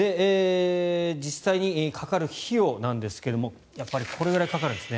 実際にかかる費用なんですがやっぱりこれくらいかかるんですね。